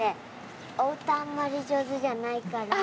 お歌あんまり上手じゃないから。